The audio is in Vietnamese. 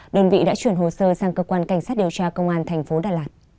đơn vị đã chuyển hồ sơ sang cơ quan cảnh sát điều tra công an tp đà lạt